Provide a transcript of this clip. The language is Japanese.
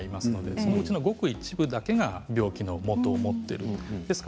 そのうちのごく一部だけが病気のもとを持っているんです。